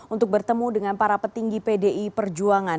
untuk bertemu dengan para petinggi pdi perjuangan